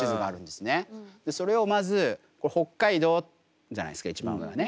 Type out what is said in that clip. それをまず北海道じゃないですか一番上はね。